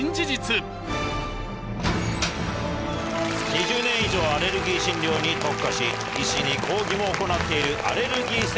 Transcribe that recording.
２０年以上アレルギー診療に特化し医師に講義も行っているアレルギー専門医